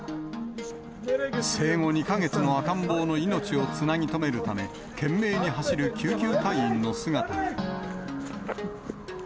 生後２か月の赤ん坊の命をつなぎとめるため、懸命に走る救急隊員の姿が。